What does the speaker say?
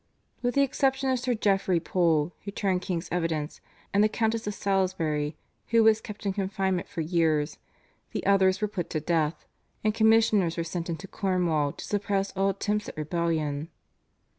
With the exception of Sir Geoffrey Pole, who turned king's evidence, and the Countess of Salisbury who was kept in confinement for years, the others were put to death, and commissioners were sent into Cornwall to suppress all attempts at rebellion.